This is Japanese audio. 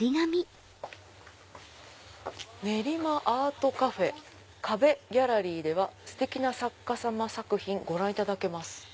「練馬アートカフェ壁ギャラリーでは素敵な作家さま作品ご覧いただけます！」。